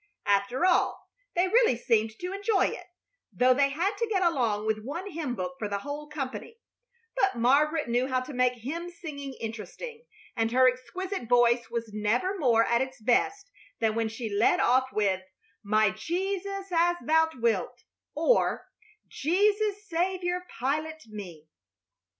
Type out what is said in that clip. After all, they really seemed to enjoy it, though they had to get along with one hymn book for the whole company; but Margaret knew how to make hymn singing interesting, and her exquisite voice was never more at its best than when she led off with "My Jesus, as Thou Wilt," or "Jesus, Saviour, Pilot Me."